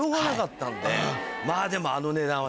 まぁでもあの値段は。